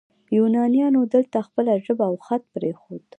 یونانیانو دلته خپله ژبه او خط پریښود